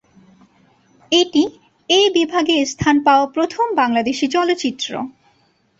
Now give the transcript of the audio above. এটি এ বিভাগে স্থান পাওয়া প্রথম বাংলাদেশী চলচ্চিত্র।